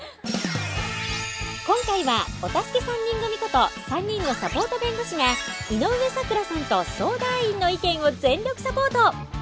今回はお助け３人組こと３人のサポート弁護士が井上咲楽さんと相談員の意見を全力サポート。